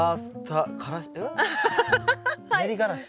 練りがらし？